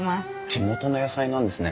地元の野菜なんですね。